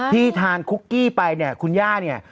ที่ทานคุกกี้ไปเนี่ยคุณย่าเนี่ย